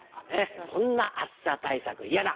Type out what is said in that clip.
「こんな暑さ対策嫌だ」。